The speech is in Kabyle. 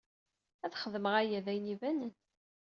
Ad xedmeɣ aya, d ayen ibanen.